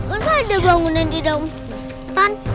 masa ada bangunan di daun